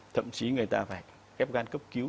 thậm chí người ta phải ép gan cấp cứu